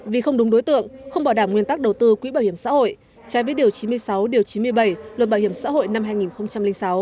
vì không đúng đối tượng không bảo đảm nguyên tắc đầu tư quỹ bảo hiểm xã hội trái với điều chín mươi sáu điều chín mươi bảy luật bảo hiểm xã hội năm hai nghìn sáu